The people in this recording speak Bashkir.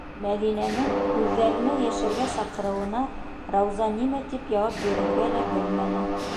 Мәҙинәнең үҙҙәренә йәшәргә саҡырыуына Рауза нимә тип яуап бирергә лә белмәне.